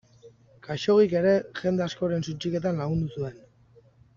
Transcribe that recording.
Khaxoggik ere jende askoren suntsiketan lagundu zuen.